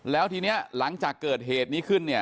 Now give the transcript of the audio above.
แล้วทีนี้หลังจากเกิดเหตุนี้ขึ้นเนี่ย